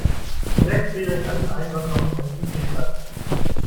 Vielleicht friere ich alles ein, was noch vom Essen übrigbleibt.